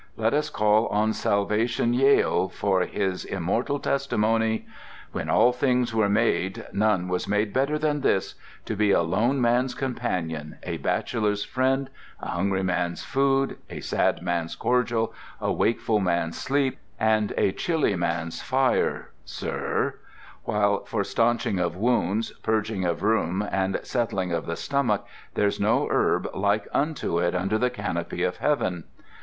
Let us call on Salvation Yeo for his immortal testimony: "When all things were made none was made better than this; to be a lone man's companion, a bachelor's friend, a hungry man's food, a sad man's cordial, a wakeful man's sleep, and a chilly man's fire, sir; while for stanching of wounds, purging of rheum, and settling of the stomach, there's no herb like unto it under the canopy of heaven."